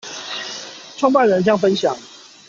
創辦人將分享